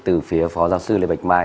từ phía phó giáo sư lê bạch mai